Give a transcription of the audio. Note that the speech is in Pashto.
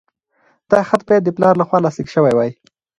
دا خط باید د پلار لخوا لاسلیک شوی وای.